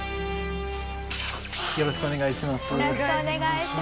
よろしくお願いします。